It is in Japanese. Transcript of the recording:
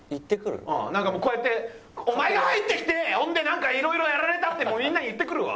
なんかもうこうやってお前が入ってきてほんでなんかいろいろやられたってみんなに言ってくるわ！